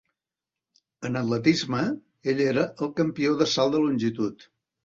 En atletisme, ell era el campió de salt de longitud.